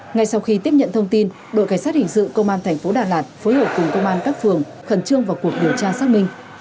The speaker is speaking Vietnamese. ngay sau khi tiếp nhận thông tin đội cảnh sát hình sự công an thành phố đà lạt phối hợp cùng công an các phường khẩn trương vào cuộc điều tra xác minh